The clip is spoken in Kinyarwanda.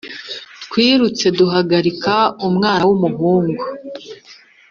Twirutse duhagarika umwana w'umuhungu